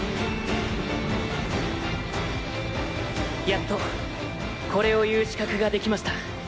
やっとこれを言う資格が出来ました。